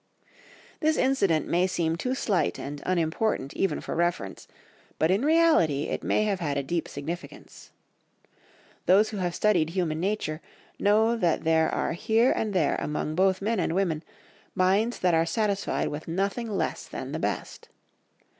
This incident may seem too slight and unimportant even for reference, but in reality it may have had a deep significance. Those who have studied human nature, know that there are here and there among both men and women, minds that are satisfied with nothing less than the best.